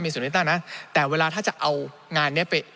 มีสนุนที่ต้านนะแต่เวลาถ้าจะเอางานนี้ไป